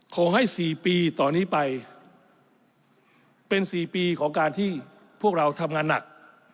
ขอให้๔ปีต่อนี้ไปเป็น๔ปีของการที่พวกเราทำงานหนัก